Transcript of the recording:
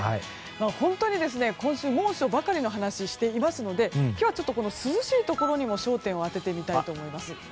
本当に今週猛暑の話ばかりしているので今日は涼しいところにも焦点を当ててみたいと思います。